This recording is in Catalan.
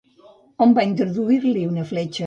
On va introduir-li una fletxa?